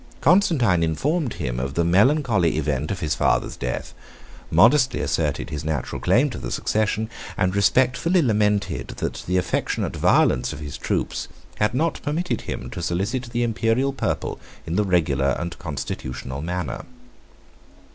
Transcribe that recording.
Constantine informed him of the melancholy event of his father's death, modestly asserted his natural claim to the succession, and respectfully lamented, that the affectionate violence of his troops had not permitted him to solicit the Imperial purple in the regular and constitutional manner.